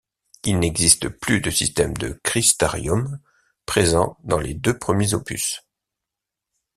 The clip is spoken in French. Il n'existe plus de système de Cristariums, présents dans les deux premiers opus.